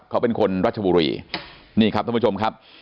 เขาเป็นคนรัชบุรีนี่ครับท่านผู้ชมครับ